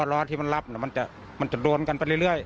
ล้อที่มันรับมันจะโดนกันไปเรื่อย